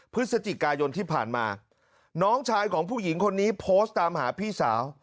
พฤศจิกายนที่ผ่านมาน้องชายของผู้หญิงคนนี้โพสต์ตามหาพี่สาว